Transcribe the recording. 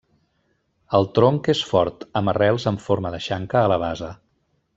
El tronc és fort, amb arrels en forma de xanca a la base.